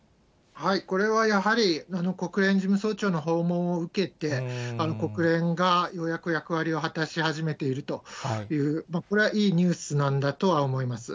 これはやはり、国連事務総長の訪問を受けて、国連がようやく役割を果たし始めているという、これはいいニュースなんだとは思います。